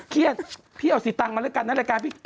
เครียดพี่เอาสีตางมาแล้วกันนะรายการพี่